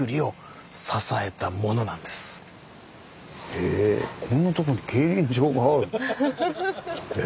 へえこんなとこに競輪場があるの？え？